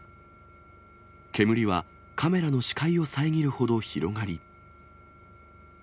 煙はカメラの視界を遮るほど広がり。